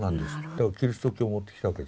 だからキリスト教を持ってきたわけです。